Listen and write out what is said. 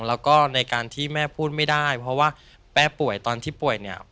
แล้วก็ในการที่แม่พูดไม่ได้เพราะว่าแม่ป่วยตอนที่ป่วยเนี่ย